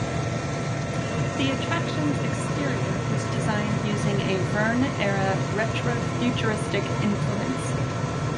The attraction's exterior was designed using a Verne era retro-futuristic influence.